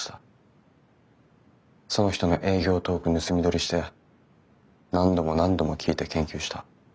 その人の営業トーク盗み撮りして何度も何度も聞いて研究した。